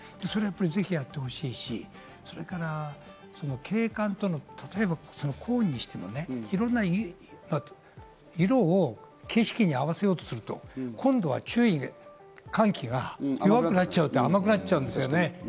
ぜひやってほしいですし、景観との例えば、コーンにしてもね、色を景色に合わせようとすると、今度は注意喚起が弱くなっちゃう、甘くなっちゃうんですよね。